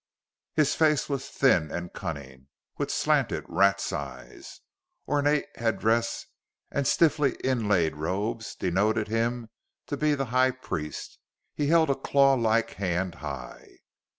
His face was thin and cunning, with slanted rat's eyes. Ornate head dress and stiffly inlaid robes denoted him to be the High Priest. He held a claw like hand high.